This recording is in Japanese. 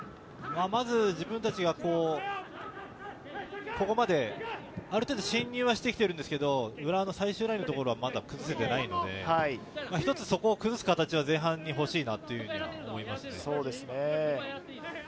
まず自分たちがここまである程度、進入はしてきてるんですけど、浦和の最終ラインのところはまだ崩せてないので、一つそこを崩すところは前半にほしいなと思います。